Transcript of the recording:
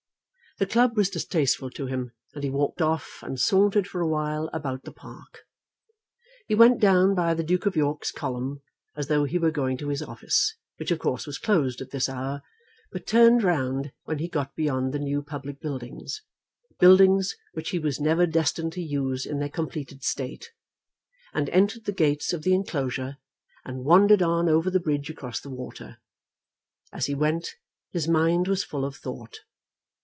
The club was distasteful to him, and he walked off and sauntered for a while about the park. He went down by the Duke of York's column as though he were going to his office, which of course was closed at this hour, but turned round when he got beyond the new public buildings, buildings which he was never destined to use in their completed state, and entered the gates of the enclosure, and wandered on over the bridge across the water. As he went his mind was full of thought.